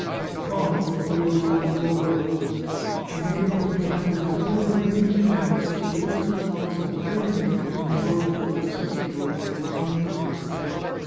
The thought of it overrode all others. He made up his mind that his only remaining chance was to reach the palace at the very moment when the doors of the reception rooms were thrown open.